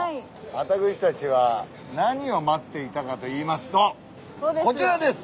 私たちは何を待っていたかといいますとこちらです。